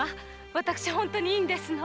私本当にいいんですの。